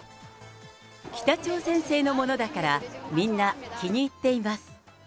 北朝鮮製の物だからみんな気に入っています。